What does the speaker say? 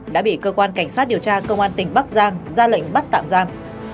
đã bị cơ quan cảnh sát điều tra công an tỉnh bắc giang ra lệnh bắt tạm giam